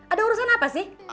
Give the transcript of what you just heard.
ada urusan apa sih